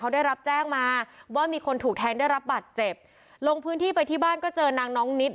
ได้รับแจ้งมาว่ามีคนถูกแทงได้รับบัตรเจ็บลงพื้นที่ไปที่บ้านก็เจอนางน้องนิด